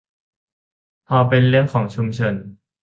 พอเป็นเรื่องของชุมชน